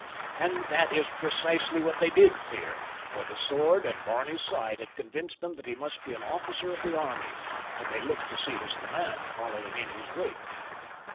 And that is precisely what they did fear, for the sword at Barney's side had convinced them that he must be an officer of the army, and they looked to see his command following in his wake.